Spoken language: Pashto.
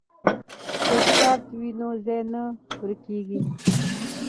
که چارت وي نو ځای نه ورکیږي.